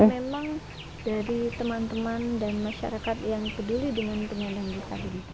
memang dari teman teman dan masyarakat yang peduli dengan penyandang disabilitas